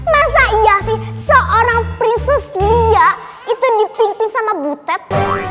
masa iya sih seorang prisus dia itu dipimpin sama butet